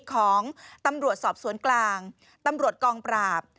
ของตำรวจสอบสวนกลางตำรวจกองปราบ